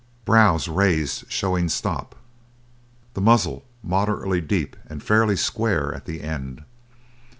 Brows raised, showing stop. The muzzle moderately deep and fairly square at the end.